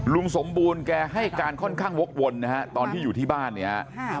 ลุงสมบูรณ์แกให้การค่อนข้างวกวนนะฮะตอนที่อยู่ที่บ้านเนี่ยฮะ